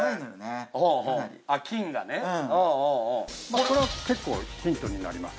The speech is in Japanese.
これは結構ヒントになります。